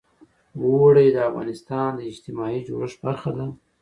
اوړي د افغانستان د اجتماعي جوړښت برخه ده.